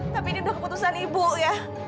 tapi ini udah keputusan ibu ya